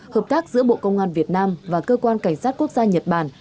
hợp tác giữa bộ công an việt nam và cơ quan cảnh sát quốc gia nhật bản